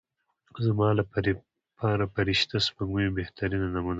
زما لپاره فرشته سپوږمۍ یوه بهترینه نمونه ده.